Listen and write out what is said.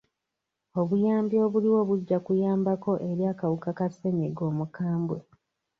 Obuyambi obuliwo bujja kuyambako eri akawuka ka ssenyiga omukambwe.